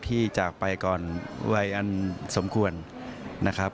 จากไปก่อนวัยอันสมควรนะครับ